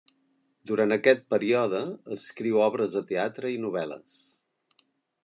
Durant aquest període escriu obres de teatre i novel·les.